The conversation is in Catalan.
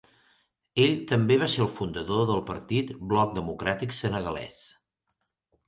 Ell també va ser el fundador del partit Bloc democràtic senegalès.